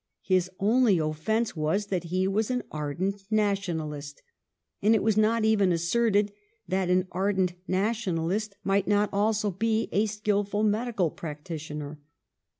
His only offence was that he was an ardent Nationalist, and it was not even asserted that an ardent Nationalist might not also be a skil ful medical practitioner.